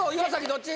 どっち？